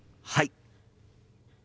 はい！